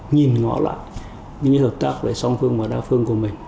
nhìn ngõ lại những hợp tác về song phương và đa phương của mình